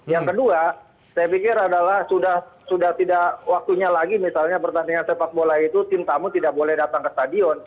yang kedua saya pikir adalah sudah tidak waktunya lagi misalnya pertandingan sepak bola itu tim tamu tidak boleh datang ke stadion